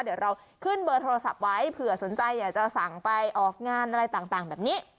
เดี๋ยวเราขึ้นเบอร์โทรศัพท์ไว้เผื่อสนใจอยากจะสั่งไปออกงานอะไรต่างแบบนี้